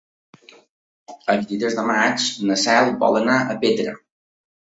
El vint-i-tres de maig na Cel vol anar a Petra.